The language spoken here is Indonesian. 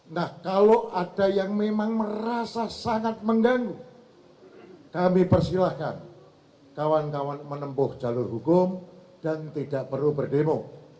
nah kalau ada yang memang merasa sangat mengganggu kami persilahkan kawan kawan menempuh jalur hukum dan tidak perlu berdemo